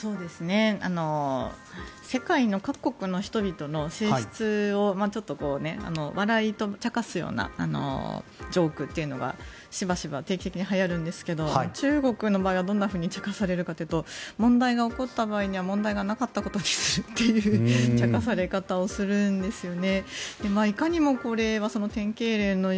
世界各国の人々の性質をちょっと笑いと茶化すようなジョークというのがしばしば定期的にはやるんですが中国の場合は、どんなふうに茶化されるかというと問題が起こった場合には問題がなかったことにするという茶化され方をするんですよね。